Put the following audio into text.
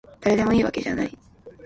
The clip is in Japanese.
だれでもいいわけじゃない